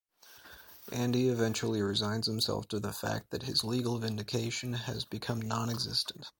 Andy eventually resigns himself to the fact that his legal vindication has become nonexistent.